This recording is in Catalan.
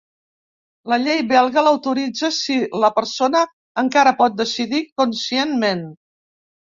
La llei belga l'autoritza si la persona encara pot decidir conscientment.